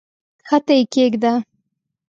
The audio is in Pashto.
کښته یې کښېږده!